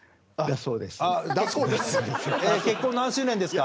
「だそうです」。